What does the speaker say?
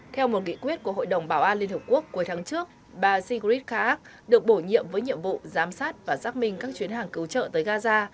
theo một nghị quyết của hội đồng bảo an liên hợp quốc cuối tháng trước bà sigrid khaak được bổ nhiệm với nhiệm vụ giám sát và giác minh các chuyến hàng cứu trợ tới gaza